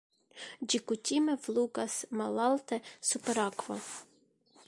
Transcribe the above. Ĝi kutime flugas malalte super akvo.